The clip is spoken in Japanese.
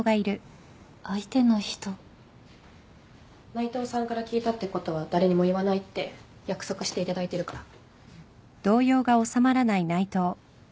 内藤さんから聞いたってことは誰にも言わないって約束していただいてるから。